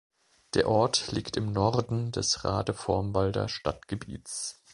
Der Ort liegt im Norden des Radevormwalder Stadtgebiets.